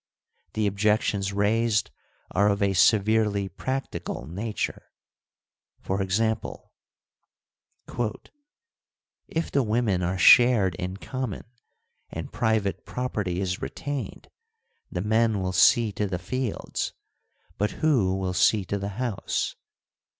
The objections raised are of a severely practical nature, e.g. : ARISTOTLE 211 If the women are shared in common, and private property is retained, the men will see to the fields ; but who will see to the house